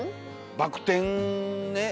バク転ね